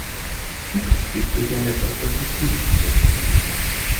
Zukünftig wird hier eine etwas konstruktivere Haltung notwendig sein.